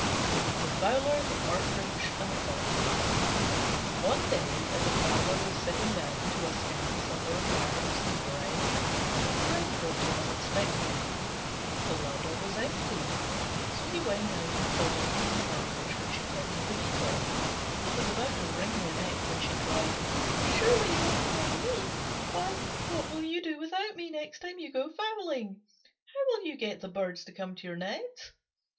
THE FOWLER, THE PARTRIDGE, AND THE COCK One day, as a Fowler was sitting down to a scanty supper of herbs and bread, a friend dropped in unexpectedly. The larder was empty; so he went out and caught a tame Partridge, which he kept as a decoy, and was about to wring her neck when she cried, "Surely you won't kill me? Why, what will you do without me next time you go fowling? How will you get the birds to come to your nets?"